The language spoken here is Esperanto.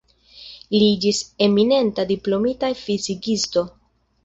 Li iĝis eminenta diplomita fizikisto.